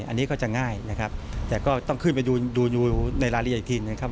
อันนี้ก็จะง่ายนะครับแต่ก็ต้องขึ้นไปดูดูในรายละเอียดอีกทีนะครับ